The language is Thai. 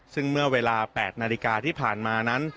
ซึ่งเมื่อเวลา๘นาฬิกาที่ผ่านมานั้น